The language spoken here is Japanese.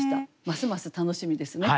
ますます楽しみですね。